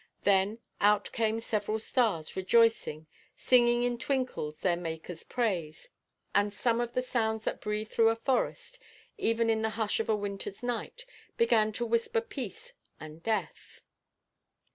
Then out came several stars rejoicing, singing in twinkles their Makerʼs praise; and some of the sounds that breathe through a forest, even in the hush of a winterʼs night, began to whisper peace and death.